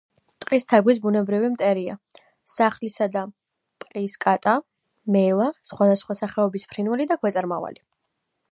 ტყის თაგვის ბუნებრივი მტერია: სახლისა და ტყის კატა, მელა, სხვადასხვა სახეობის ფრინველი და ქვეწარმავალი.